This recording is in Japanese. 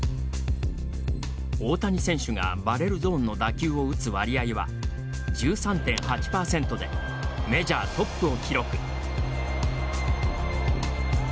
大谷選手がバレルゾーンの打球を打つ割合は１３．８％でメジャートップを記録。